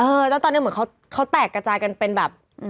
แล้วตอนนี้เหมือนเขาแตกกระจายกันเป็นแบบ